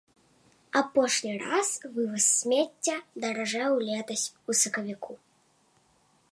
Апошні раз вываз смецця даражэў летась у сакавіку.